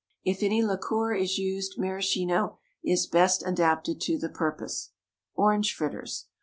If any liqueur is used, maraschino is best adapted to the purpose. ORANGE FRITTERS.